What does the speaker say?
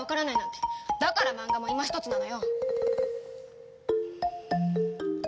だからマンガもいまひとつなのよ！